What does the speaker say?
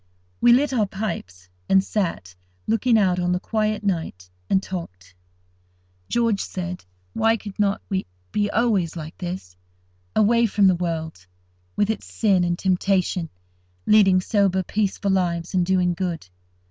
We lit our pipes, and sat, looking out on the quiet night, and talked. George said why could not we be always like this—away from the world, with its sin and temptation, leading sober, peaceful lives, and doing good.